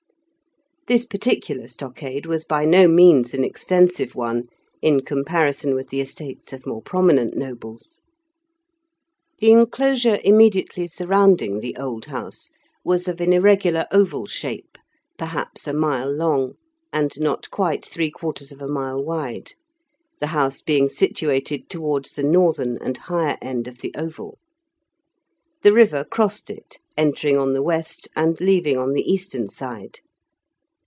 This particular stockade was by no means an extensive one, in comparison with the estates of more prominent nobles. The enclosure immediately surrounding the Old House was of an irregular oval shape, perhaps a mile long, and not quite three quarters of a mile wide, the house being situated towards the northern and higher end of the oval. The river crossed it, entering on the west and leaving on the eastern side.